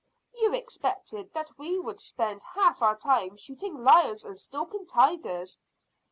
"You expected that we would spend half our time shooting lions and stalking tigers?"